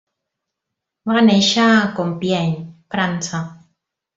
Va néixer a Compiègne, França.